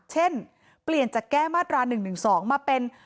เช่นเปลี่ยนจากแก้มาตรา๑๑๒มาเป็น